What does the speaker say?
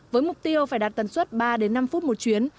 với mục tiêu phải đạt tần suất ba năm phút một chuyến